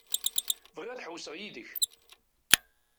Bɣiɣ ad ḥewwseɣ yid-k.